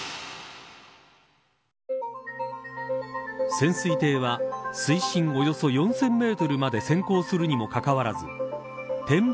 潜水艇は水深およそ４０００メートルまで潜航するにもかかわらず展望